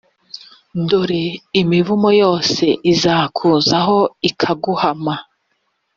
dore imivumo yose izakuzaho, ikaguhama: